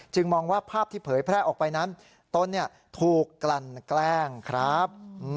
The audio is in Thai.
มองว่าภาพที่เผยแพร่ออกไปนั้นตนถูกกลั่นแกล้งครับ